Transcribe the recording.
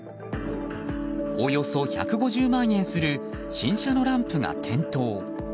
およそ１５０万円する新車のランプが点灯。